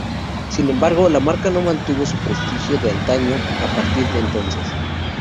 Sin embargo, la marca no mantuvo su prestigio de antaño a partir de entonces.